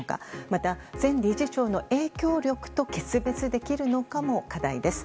また前理事長の影響力と決別できるのかも課題です。